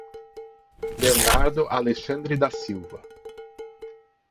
Bernardo Alexandre da Silva